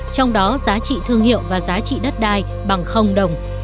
trong đó giá trị thương hiệu và giá trị đất đai bằng đồng